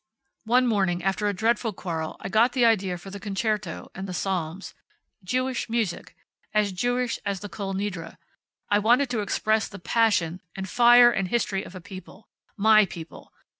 One morning, after a dreadful quarrel I got the idea for the concerto, and the psalms. Jewish music. As Jewish as the Kol Nidre. I wanted to express the passion, and fire, and history of a people. My people.